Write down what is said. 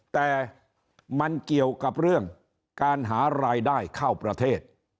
แต่มันเกี่ยวกับเรื่องการหารายได้เข้าประเทศ